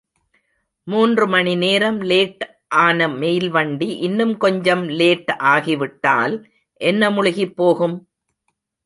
மூன்று மணி நேரம் லேட் ஆன மெயில்வண்டி இன்னும் கொஞ்சம் லேட் ஆகிவிட்டால் என்ன முழுகிப்போகும்?